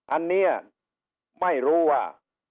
อันนี้ไม่รู้ว่า